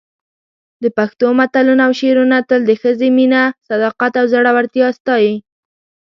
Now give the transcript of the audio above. د پښتو متلونه او شعرونه تل د ښځې مینه، صداقت او زړورتیا ستایي.